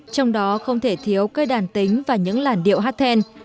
trong đó không thể thiếu cây đàn tính và những làn điệu hát then